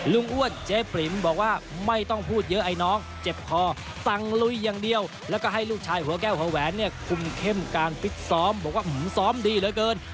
อ้วนเจ๊ปริมบอกว่าไม่ต้องพูดเยอะไอ้น้องเจ็บคอสั่งลุยอย่างเดียวแล้วก็ให้ลูกชายหัวแก้วหัวแหวนเนี่ยคุมเข้มการฟิตซ้อมบอกว่าซ้อมดีเหลือเกิน